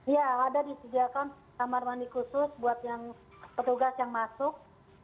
ya ada disediakan kamar mandi khusus buat yang petugas yang masuk